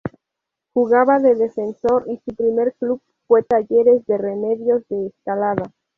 Jugaba de defensor y su primer club fue Talleres de Remedios de Escalada.